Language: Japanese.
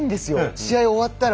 試合終わったら。